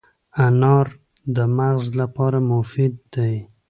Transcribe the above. انار د مغز لپاره مفید دی.